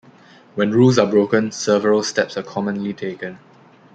When rules are broken several steps are commonly taken.